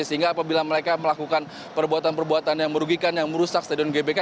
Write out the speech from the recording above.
sehingga apabila mereka melakukan perbuatan perbuatan yang merugikan yang merusak stadion gbk